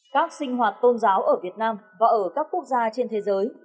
các sinh hoạt tôn giáo ở việt nam và ở các quốc gia trên thế giới